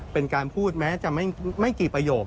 เป็นการพูดแม้จะไม่กี่ประโยค